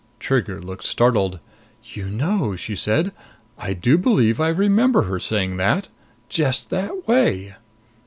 _" Trigger looked startled. "You know," she said, "I do believe I remember her saying that just that way!"